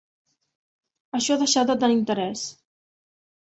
Això ha deixat de tenir interès.